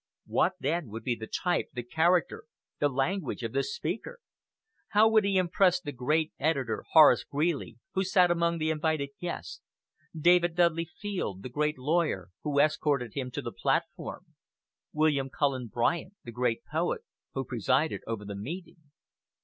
What, then, would be the type, the character, the language of this speaker? How would he impress the great editor Horace Greeley, who sat among the invited guests; David Dudley Field, the great lawyer, who escorted him to the platform; William Cullen Bryant, the great poet, who presided over the meeting?